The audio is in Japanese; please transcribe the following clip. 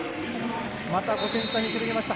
また、５点差に広げました。